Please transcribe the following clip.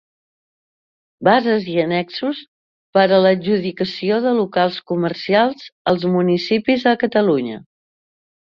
Bases i annexos per a l'adjudicació de locals comercials als municipis de Catalunya.